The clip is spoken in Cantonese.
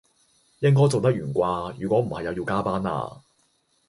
應該做得完掛，如果唔係又要加班啦